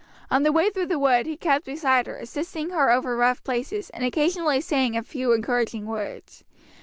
On the way through the wood he kept beside her, assisting her over rough places, and occasionally saying a few encouraging words.